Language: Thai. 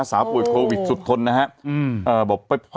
สาปุ่ยโควิดสุดทนนะฮะ